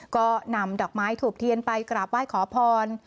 ก็นำดอกไม้ถูกเทียนไปกราบไหว้ขอพร